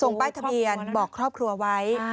ป้ายทะเบียนบอกครอบครัวไว้